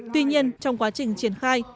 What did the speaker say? tuy nhiên trong quá trình triển khai